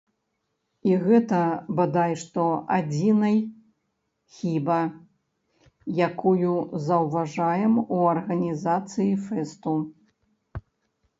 І гэта, бадай што, адзінай хіба, якую заўважаем у арганізацыі фэсту.